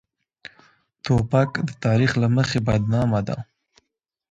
توپک د تاریخ له مخې بدنامه ده.